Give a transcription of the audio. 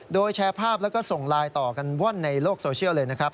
โดยแชร์ภาพแล้วก็ส่งไลน์ต่อกันว่อนในโลกโซเชียลเลยนะครับ